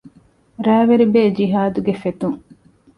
ރައިވެރިބޭގެ ޖިހާދުގެ ފެތުން